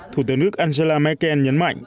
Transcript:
thủ tướng đức angela merkel nhấn mạnh